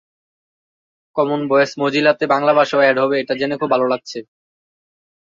একাদশ সংসদ নির্বাচনে তিনি সংরক্ষিত সাংসদ পদে দল থেকে মনোনয়ন পান নি।